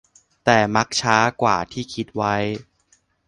แต่มักช้ากว่าที่คิดไว้